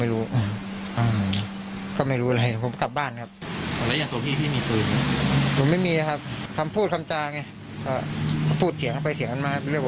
ไม่ลงรอยกันบ้างนะเถอะถูกไหมครับ